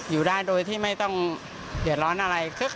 อยู่ได้โดยที่ไม่ต้องเดือดร้อนอะไร